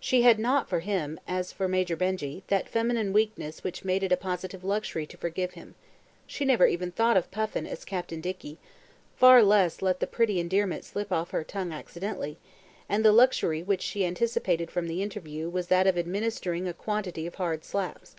She had not for him, as for Major Benjy, that feminine weakness which had made it a positive luxury to forgive him: she never even thought of Puffin as Captain Dicky, far less let the pretty endearment slip off her tongue accidentally, and the luxury which she anticipated from the interview was that of administering a quantity of hard slaps.